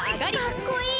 かっこいい！